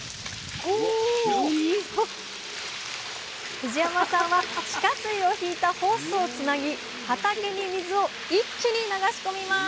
藤山さんは地下水を引いたホースをつなぎ畑に水を一気に流し込みます